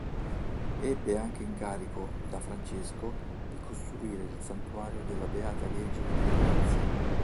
Ebbe anche incarico da Francesco di costruire il Santuario della Beata Vergine delle Grazie.